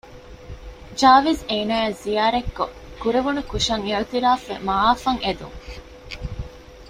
ޖާވިޒް އޭނާއަށް ޒިޔާރަތްކޮއް ކުރެވުނު ކުށަށް އިއުތިރާފްވެ މަޢާފްއަށް އެދުން